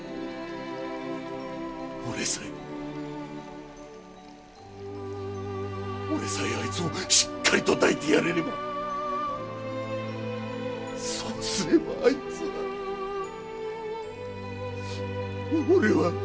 俺さえ俺さえあいつをしっかりと抱いてやれればそうすればあいつは。